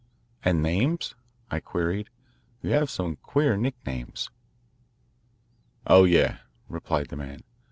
"And names?" I queried. "You have some queer nicknames." "Oh, yes," replied the man.